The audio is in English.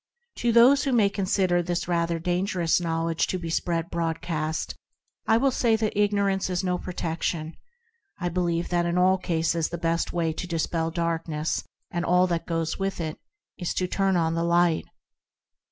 To those who may consider this rather "dangerous knowledge" to be spread broadcast, I will say that Ignorance is no pro tection—I believe that in all cases the best way to dispel Darkness, and all that goes with it, is to Turn on the Light.